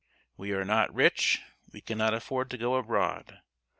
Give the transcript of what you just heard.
We are not rich; we cannot afford to go abroad.